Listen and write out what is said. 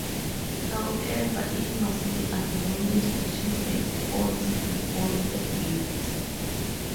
However, it must be acknowledged, she had faults to foil her gifts.